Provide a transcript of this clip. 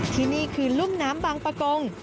ที่นี่คือรุ่มน้ำบางประกง